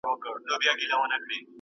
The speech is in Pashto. روح مي نیم بسمل نصیب ته ولیکم